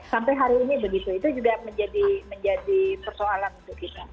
sampai hari ini begitu itu juga menjadi persoalan untuk kita